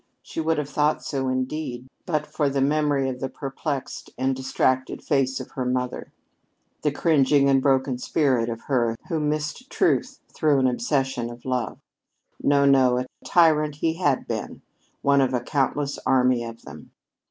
She would have thought so, indeed, but for the memory of the perplexed and distracted face of her mother, the cringing and broken spirit of her who missed truth through an obsession of love. No, no, a tyrant he had been, one of a countless army of them!